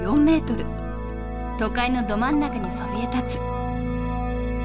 都会のど真ん中にそびえ立つ。